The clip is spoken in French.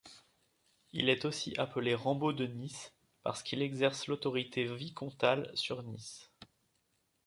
Il est aussi appelé Rambaud de Nice parce qu'il exerce l'autorité vicomtale sur Nice.